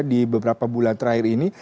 di beberapa bulan terakhir ini